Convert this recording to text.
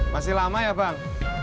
masih lama ya bang